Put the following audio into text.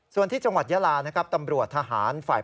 ส่วนที่จังหวัดยาลานักษมณฑ์ตำรวจทหารฝ่ายปกครองกระจาย